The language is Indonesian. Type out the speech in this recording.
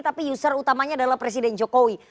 tapi user utamanya adalah presiden jokowi